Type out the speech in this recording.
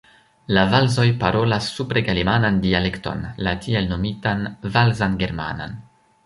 La valzoj parolas supregalemanan dialekton, la tiel nomitan valzan germanan.